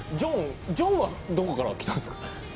ジョンはどこから来たんですか？